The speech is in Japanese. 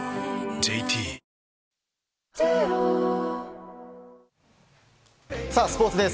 ＪＴスポーツです。